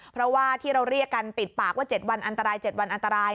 เพราะว่าที่เราเรียกกันติดปากว่า๗วันอันตราย๗วันอันตราย